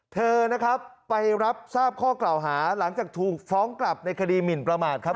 เธอนะครับไปรับทราบข้อกล่าวหาหลังจากถูกฟ้องกลับในคดีหมินประมาทครับ